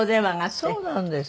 そうなんです。